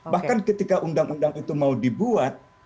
bahkan ketika undang undang itu mau dibuat